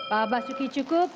pak basuki cukup